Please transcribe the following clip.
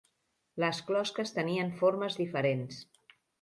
Les closques tenien formes diferents.